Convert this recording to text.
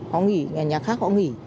họ nghỉ nhà khác họ nghỉ